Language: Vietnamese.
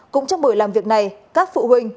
cũng trong buổi làm việc này các phụ huynh